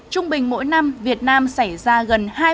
trung bình mỗi năm việt nam xảy ra gần hai mươi vụ tai nạn thông